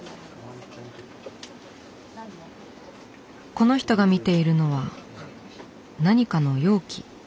この人が見ているのは何かの容器。